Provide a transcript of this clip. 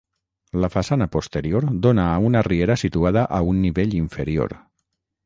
La façana posterior dóna a una riera situada a un nivell inferior.